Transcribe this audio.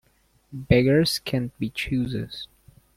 Beggars can't be choosers.